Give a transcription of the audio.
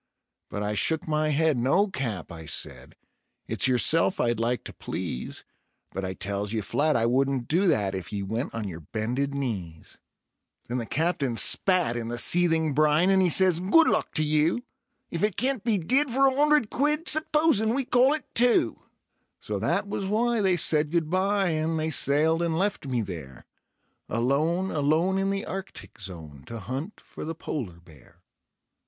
But I shook my head: "No, Cap," I said; "it's yourself I'd like to please, But I tells ye flat I wouldn't do that if ye went on yer bended knees." Then the Captain spat in the seething brine, and he says: "Good luck to you, If it can't be did for a 'undred quid, supposin' we call it two?" So that was why they said good by, and they sailed and left me there Alone, alone in the Arctic Zone to hunt for the polar bear.